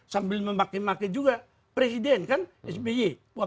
sambil memakai juga presiden kan sby